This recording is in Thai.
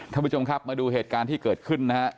ท่านผู้ชมครับมาดูเหตุการณ์ที่เกิดขึ้นนะฮะ